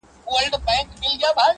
ستا دی که قند دی.